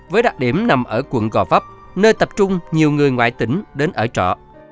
với đặc điểm nằm ở quận gò vấp nơi tập trung nhiều người ngoại tỉnh đến ở trọ